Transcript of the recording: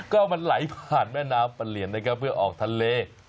ก็มันไหลผ่านแม่น้ำปะเหลียนนะครับเพื่อออกทะเล